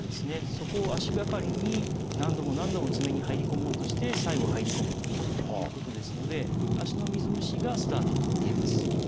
そこを足がかりに何度も何度も爪に入り込もうとして最後入り込むということですので足の水虫がスタートといえます。